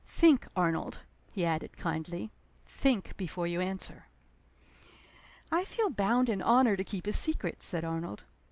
"Think, Arnold," he added, kindly. "Think before you answer." "I feel bound in honor to keep his secret," said Arnold.